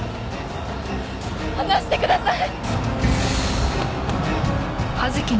離してください！